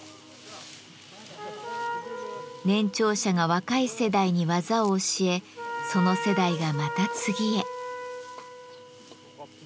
年長者が若い世代に技を教えその世代がまた次へ。